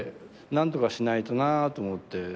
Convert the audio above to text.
何とかしないとなと思って。